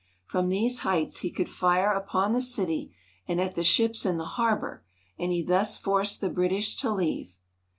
From these heights he could fire upon the city and at the ships in the harbor, and he thus forced the British to leave.